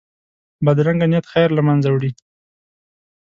بدرنګه نیت خیر له منځه وړي